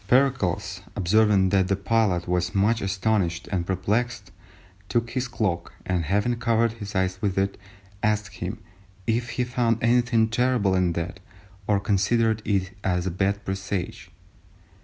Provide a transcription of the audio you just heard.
Pericles observing that the pilot was much astonished and perplexed, took his cloak, and having covered his eyes with it, asked him if he found anything terrible in that, or considered it as a bad presage?